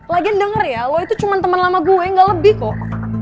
lagian denger ya lo itu cuma temen lama gue gak lebih kok